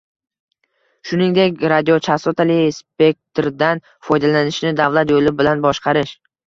shuningdek, radiochastotali spektrdan foydalanishni davlat yo'li bilan boshqarish